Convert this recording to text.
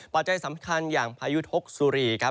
ปัจจัยสำคัญอย่างพายุทกสุรีครับ